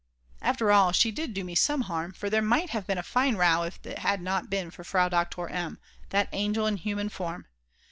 After all, she did do me some harm; for there might have been a fine row if it had not been for Frau Doktor M., that angel in human form!